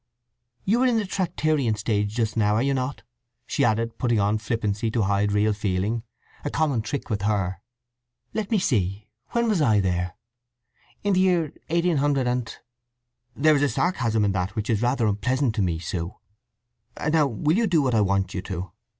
"You are in the Tractarian stage just now, are you not?" she added, putting on flippancy to hide real feeling, a common trick with her. "Let me see—when was I there? In the year eighteen hundred and—" "There's a sarcasm in that which is rather unpleasant to me, Sue. Now will you do what I want you to?